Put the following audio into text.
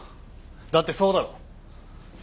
だってそうだろ？